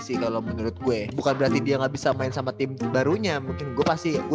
sih kalau menurut gue bukan berarti dia nggak bisa main sama tim barunya mungkin gue pasti